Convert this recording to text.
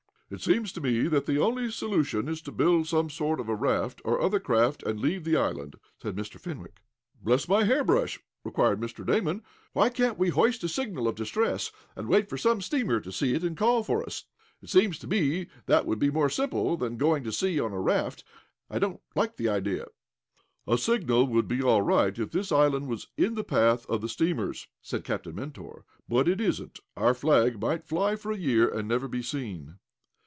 "It seems to me that the only solution is to build some sort of a raft, or other craft and leave the island," said Mr. Fenwick. "Bless my hair brush!" cried Mr. Damon. "Why can't we hoist a signal of distress, and wait for some steamer to see it and call for us? It seems to me that would be more simple than going to sea on a raft. I don't like the idea." "A signal would be all right, if this island was in the path of the steamers," said Captain Mentor. "But it isn't. Our flag might fly for a year, and never be seen."